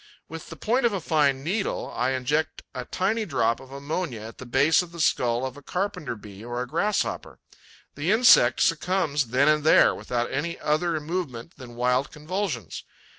With the point of a fine needle, I inject a tiny drop of ammonia at the base of the skull of a Carpenter bee or a Grasshopper. The insect succumbs then and there, without any other movement than wild convulsions.